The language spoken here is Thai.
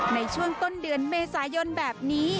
ในช่วงต้นเดือนเมษายนแบบนี้